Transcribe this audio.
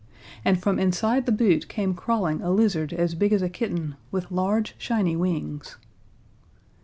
And from inside the boot came crawling a lizard as big as a kitten, with large, shiny wings.